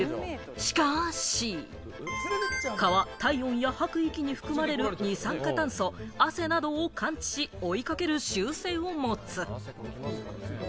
しかし、蚊は体温や吐く息に含まれる二酸化炭素、汗などを感知し、追いかける習性を持つ。